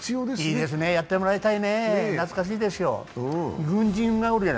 いいですね、やってもらいたいね、懐かしいですよ。